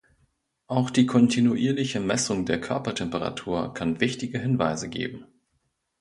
Auch die kontinuierliche Messung der Körpertemperatur kann wichtige Hinweise geben.